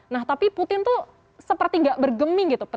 nah tapi putin tuh seperti gak bergeming gitu